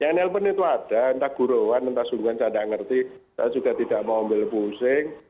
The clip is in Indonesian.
yang nelpon itu ada entah guruan entah guruan saya nggak ngerti saya juga tidak mau ambil pusing